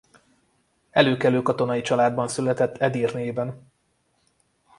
Előkelő katonai családban született Edirnében.